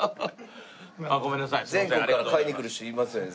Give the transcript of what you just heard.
全国から買いに来る人いますよね。